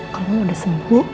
kalo lu udah sembuh